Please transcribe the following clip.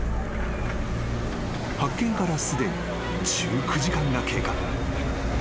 ［発見からすでに１９時間が経過］